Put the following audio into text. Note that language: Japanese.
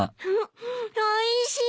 おいしい！